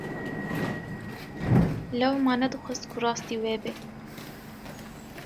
Lewma nedixwest ku rastî wê bê.